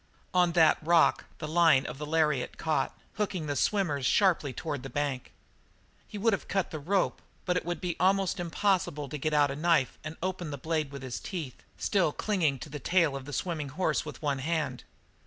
On that rock the line of the lariat caught, hooking the swimmers sharply in toward the bank. He would have cut the rope, but it would be almost impossible to get out a knife and open a blade with his teeth, still clinging to the tail of the swimming horse with one hand.